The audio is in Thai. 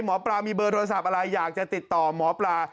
หมอปลามีเบอร์โทรศัพท์อะไรอยากจะติดต่อหมอปลา